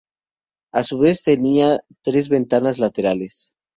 A su vez tenía tres ventanas laterales.